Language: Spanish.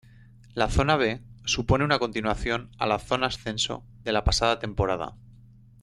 La "zona B" supone una continuación a la "Zona Ascenso" de la pasada temporada.